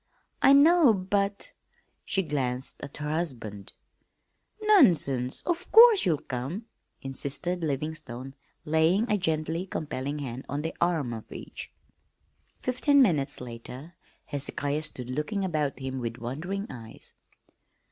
"I know, but " She glanced at her husband. "Nonsense! Of course you'll come," insisted Livingstone, laying a gently compelling hand on the arm of each. Fifteen minutes later Hezekiah stood looking about him with wondering eyes.